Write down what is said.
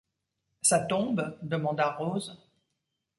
Ça tombe? demanda Rose.